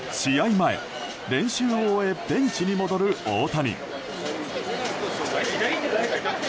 前、練習を終えベンチに戻る大谷。